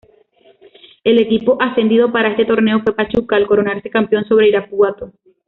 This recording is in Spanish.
El equipo ascendido para este torneo fue Pachuca al coronarse campeón sobre Irapuato.